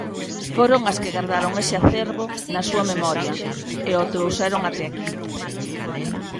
Foron as que gardaron ese acervo na súa memoria e o trouxeron até aquí.